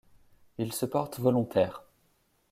Il se porte volontaire.